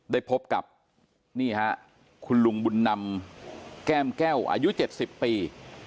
ได้พบกับนี่ฮะคุณลุงบุญนำแก้มแก้วอายุ๗๐ปี